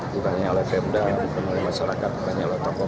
bukannya oleh pemda bukan oleh masyarakat bukan hanya oleh tokoh